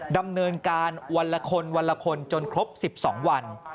ดำเนินการวันละคนวันละคนจนครบ๑๒วัน